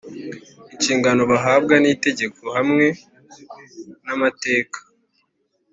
inshingano bahabwa n itegeko hamwe n amateka